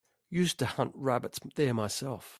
Used to hunt rabbits there myself.